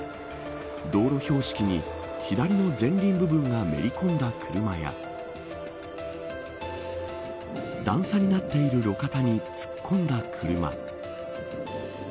道路標識に左の前輪部分がめり込んだ車や段差になっている路肩に突っ込んだ車。